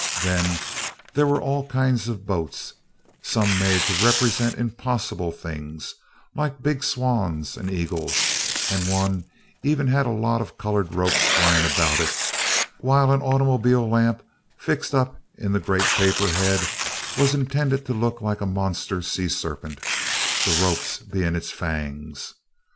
Then, there were all kinds of boats, some made to represent impossible things, like big swans, eagles, and one even had a lot of colored ropes flying about it, while an automobile lamp, fixed up in a great paper head, was intended to look like a monster sea serpent, the ropes being its fangs.